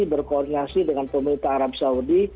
berkoordinasi dengan pemerintah arab saudi